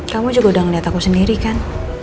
kamu juga udah ngeliat aku sendiri kan